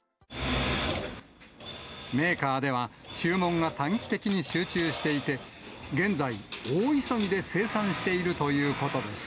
メーカーでは、注文が短期的に集中していて、現在、大急ぎで生産しているということです。